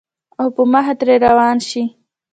او پۀ مخه ترې روان شې